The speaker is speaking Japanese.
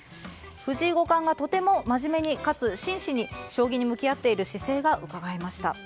藤井五冠がとても真面目にかつ真摯に将棋に向き合っている姿勢がうかがえました。